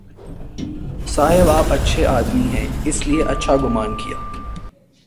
صاحب آپ اچھے آدمی ہیں، اس لیے اچھا گمان کیا۔